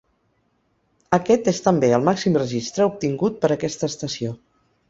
Aquest és també el màxim registre obtingut per aquesta estació.